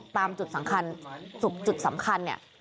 ตามจุดสำคัญจุดสำคัญเนี่ย